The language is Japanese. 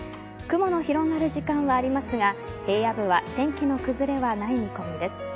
雲の広がる時間はありますが平野部は天気の崩れはない見込みです。